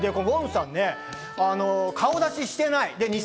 ＷＯＮさんね、顔出ししてない。